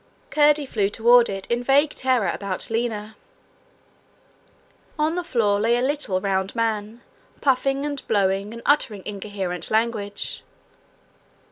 Curdie flew toward it in vague terror about Lina. On the floor lay a little round man, puffing and blowing, and uttering incoherent language.